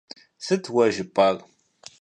Sıt vue jjıp'ar?